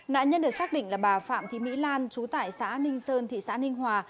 nạn nhân được xác định là bà phạm thị mỹ lan trú tại xã ninh sơn thị xã ninh hòa